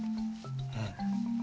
うん。